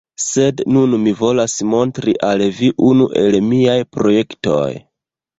Sed nun mi volas montri al vi unu el miaj projektoj.